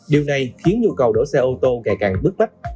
điều này khiến nhu cầu đổ xe ô tô ngày càng bức bách